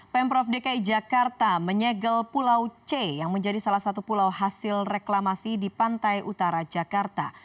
pemprov dki jakarta menyegel pulau c yang menjadi salah satu pulau hasil reklamasi di pantai utara jakarta